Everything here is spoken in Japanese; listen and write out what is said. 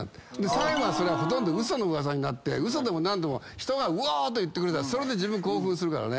最後ほとんど嘘の噂になって嘘でも何でも人が「うお！」と言ってくれたらそれで自分興奮するからね。